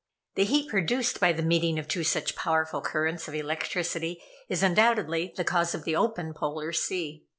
The heat produced by the meeting of two such powerful currents of electricity is, undoubtedly, the cause of the open Polar Sea.